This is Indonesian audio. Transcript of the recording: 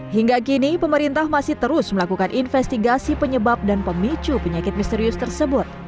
hingga kini pemerintah masih terus melakukan investigasi penyebab dan pemicu penyakit misterius tersebut